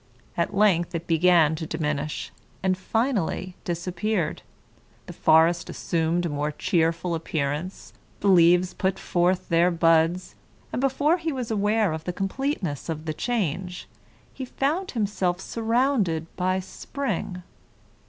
At length it began to diminish, and finally disappeared. The forest assumed a more cheerful appearance, the leaves put forth their buds, and before he was aware of the completeness of the change, he found himself surrounded by spring.